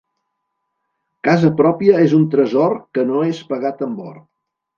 Casa pròpia és un tresor que no és pagat amb or.